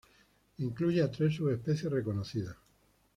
Incluye a tres subespecies reconocidas.